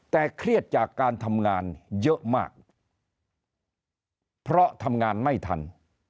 แต่เครียดจากการทำงานเยอะมากเพราะทำงานไม่ทัน